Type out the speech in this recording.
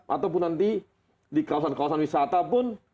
atau pun nanti di kawasan kawasan wisata pun